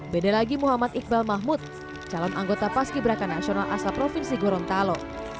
beda lagi muhammad iqbal mahmud calon anggota paski beraka nasional asal provinsi gorontalo